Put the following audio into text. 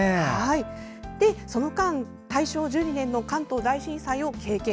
その間大正１２年の関東大震災を経験。